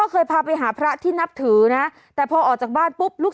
เคยพาไปหาพระที่นับถือนะแต่พอออกจากบ้านปุ๊บลูก